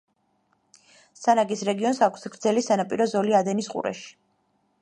სანაგის რეგიონს აქვს გრძელი სანაპირო ზოლი ადენის ყურეში.